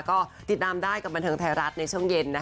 ก็ติดตามได้กับบันเทิงไทยรัฐในช่วงเย็น